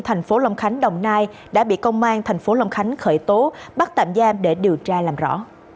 thành phố long khánh đồng nai đã bị công an thành phố long khánh khởi tố bắt tạm giam để điều tra làm rõ